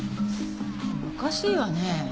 おかしいわね。